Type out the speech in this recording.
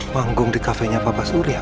manggung di kafenya papa surya kan